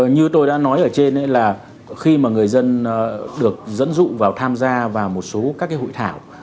như tôi đã nói ở trên là khi mà người dân được dẫn dụ vào tham gia vào một số các cái hội thảo